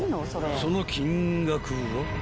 ［その金額は］